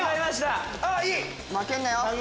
負けんなよ！